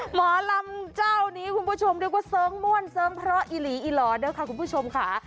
หมอลำเจ้านี้คุณผู้ชมเรียกว่าเสิร์งม่วนเสริงเพราะอีหลีอีหล่อด้วยค่ะคุณผู้ชมค่ะ